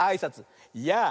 「やあ！」。